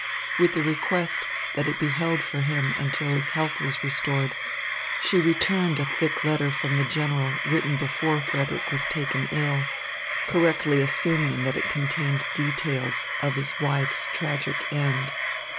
With the request that it be held for him until his health was restored, she returned a thick letter from the general written before Frederick was taken ill, correctly assuming that it contained details of his wife's tragic end.